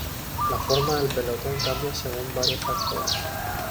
La forma del pelotón cambia según varios factores.